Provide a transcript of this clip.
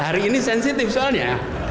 hari ini sensitif soalnya